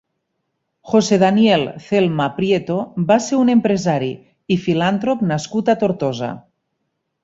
José Daniel Celma Prieto va ser un empresari i filàntrop nascut a Tortosa.